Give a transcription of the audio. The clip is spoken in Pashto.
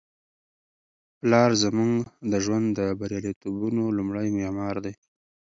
پلار زموږ د ژوند د بریالیتوبونو لومړی معمار دی.